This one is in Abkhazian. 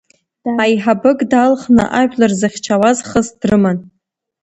Аиҳабык далыхны, ажәлар зыхьчауаз, хыс дрыман.